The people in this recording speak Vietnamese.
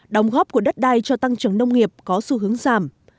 đóng góp của đất đai cho tăng trưởng nông nghiệp có xu hướng giảm